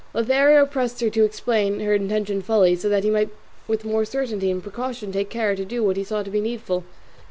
Lothario pressed her to explain her intention fully, so that he might with more certainty and precaution take care to do what he saw to be needful.